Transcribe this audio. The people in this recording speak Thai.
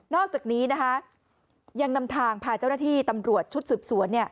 อกจากนี้ยังนำทางพาเจ้าหน้าที่ตำรวจชุดสืบสวน